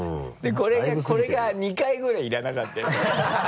これが２回ぐらいいらなかったよね。